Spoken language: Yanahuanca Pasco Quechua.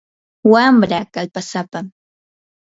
wamraa kallpasapam.